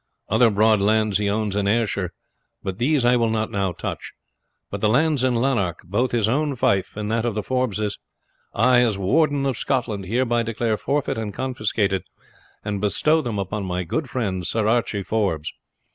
Other broad lands he owns in Ayrshire, but these I will not now touch; but the lands in Lanark, both his own fief and that of the Forbeses, I, as Warden of Scotland, hereby declare forfeit and confiscated, and bestow them upon my good friend, Sir Archie Forbes.